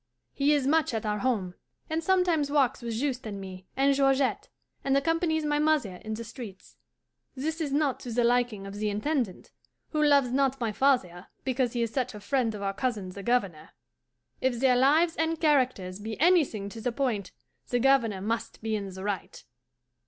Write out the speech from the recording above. He is much at our home, and sometimes walks with Juste and me and Georgette, and accompanies my mother in the streets. This is not to the liking of the Intendant, who loves not my father because he is such a friend of our cousin the Governor. If their lives and characters be anything to the point the Governor must be in the right.